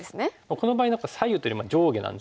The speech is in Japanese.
この場合何か左右というよりも上下なんですけど。